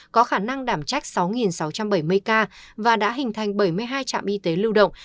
có khả năng đảm trách sáu sáu trăm bảy mươi ca và đã hình thành bảy mươi hai trạm y tế lưu động